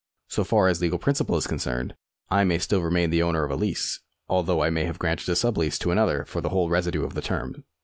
So far as legal principle is concerned, I may still remain the owner of a lease, although I may have granted a sub leaso to another for the whole residue of the term.